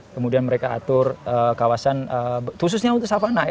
kemudian mereka atur kawasan khususnya untuk savana